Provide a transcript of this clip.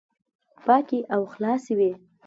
پاکي او خلاصي وي،